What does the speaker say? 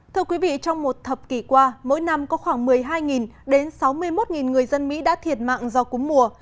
trong một thập kỷ qua mỗi năm có khoảng một mươi hai đến sáu mươi một người dân mỹ đã thiệt mạng do cúm mùa